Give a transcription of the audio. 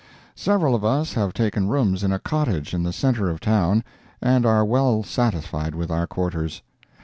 Several of us have taken rooms in a cottage in the center of the town, and are well satisfied with our quarters.